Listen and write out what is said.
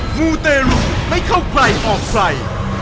มูเตรุไม่เข้าใครออกใคร